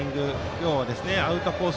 今日はアウトコース